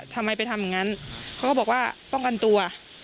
ทำไมไปทำอย่างนั้นเขาก็บอกว่าป้องกันตัว